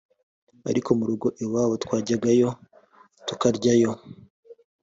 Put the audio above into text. ariko mu rugo iwabo twajyagayo tukaryayo